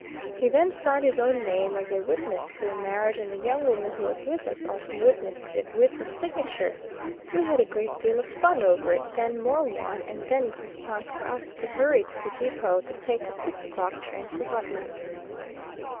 He then signed his own name as a witness to the marriage, and the young woman who was with us also witnessed it with her signature. We had a great deal of fun over it, then more wine, and then it was time for us to hurry to the depot to take the six o'clock train for Rutland.